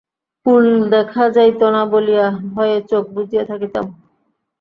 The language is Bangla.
কূল দেখা যাইত না বলিয়া ভয়ে চোখ বুজিয়া থাকিতাম।